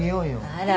あら。